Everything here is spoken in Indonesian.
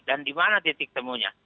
dan di mana titik temunya